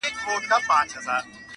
اسمان ته مي خاته ناسوني نه دی،